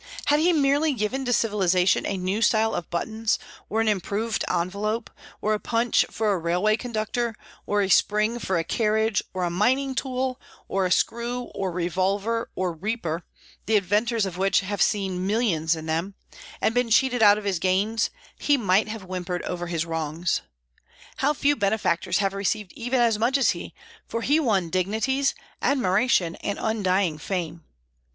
Had he merely given to civilization a new style of buttons, or an improved envelope, or a punch for a railway conductor, or a spring for a carriage, or a mining tool, or a screw, or revolver, or reaper, the inventors of which have "seen millions in them," and been cheated out of his gains, he might have whimpered over his wrongs. How few benefactors have received even as much as he; for he won dignities, admiration, and undying fame.